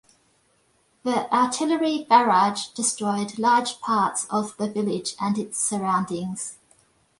The artillery barrage destroyed large parts of the village and its surroundings.